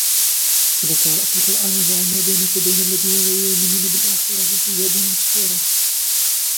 وإذا قرأت القرآن جعلنا بينك وبين الذين لا يؤمنون بالآخرة حجابا مستورا